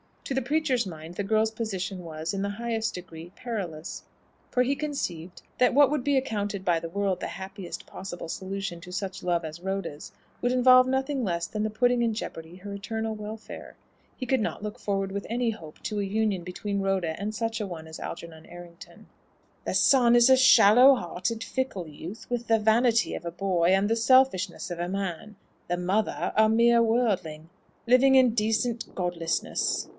To the preacher's mind, the girl's position was, in the highest degree, perilous; for he conceived that what would be accounted by the world the happiest possible solution to such a love as Rhoda's, would involve nothing less than the putting in jeopardy her eternal welfare. He could not look forward with any hope to a union between Rhoda and such a one as Algernon Errington. "The son is a shallow hearted, fickle youth, with the vanity of a boy and the selfishness of a man; the mother, a mere worldling, living in decent godlessness."